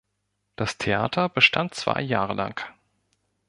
Das Theater bestand zwei Jahre lang.